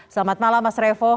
selamat malam mas revo